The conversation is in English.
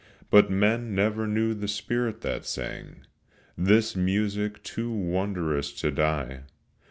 But men never knew the spirit that sang This music too wondrous to die.